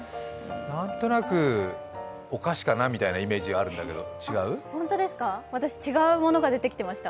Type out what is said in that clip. なんとなくお菓子かなというイメージがあるんですけど、違う？